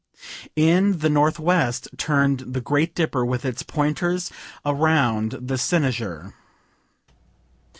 In the northwest turned the Great Dipper with its pointers round the Cynosure.